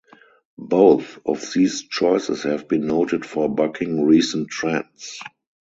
Both of these choices have been noted for bucking recent trends.